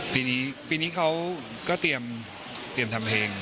ปีนี้เขาก็เตรียมทำเพลง